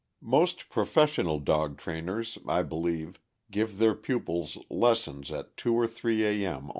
Most professional dog trainers, I believe, give their pupils lessons at two or three A. M.